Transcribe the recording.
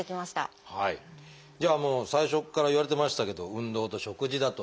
じゃあもう最初から言われてましたけど運動と食事だと。